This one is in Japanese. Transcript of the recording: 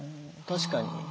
確かに。